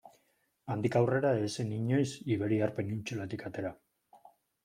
Handik aurrera ez zen inoiz iberiar penintsulatik atera.